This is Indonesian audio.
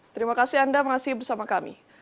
terima kasih anda masih bersama kami